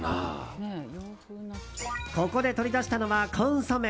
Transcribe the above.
ここで取り出したのはコンソメ。